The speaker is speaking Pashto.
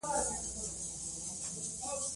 د اسلام په سياسي نظام کي د دولت د وظايفو څرنګوالي